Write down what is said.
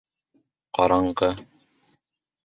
Ҡараңғы.